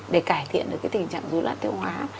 để cải thiện được cái tình trạng dối loạn tiêu hóa